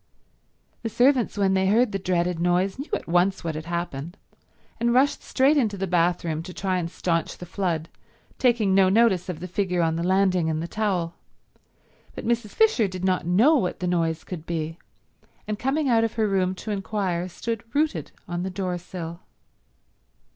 The servants when they heard the dreaded noise knew at once what had happened, and rushed straight into the bathroom to try and staunch the flood, taking no notice of the figure on the landing in the towel, but Mrs. Fisher did not know what the noise could be, and coming out of her room to inquire stood rooted on the door sill.